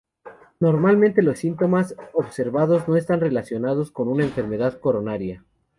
Normalmente los síntomas observados no están relacionados con una enfermedad coronaria.